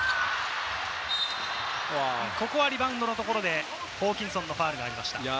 ここはリバウンドのところでホーキンソンのファウルがありました。